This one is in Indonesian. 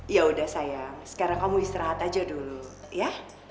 yaudah sayang sekarang kamu istirahat aja dulu ya